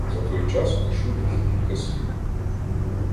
За той час пишу тих кілька слів.